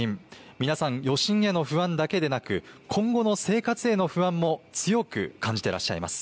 皆さん、余震への不安だけでなく今後の生活への不安も強く感じてらっしゃいます。